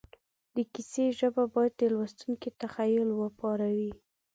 د کیسې ژبه باید د لوستونکي تخیل وپاروي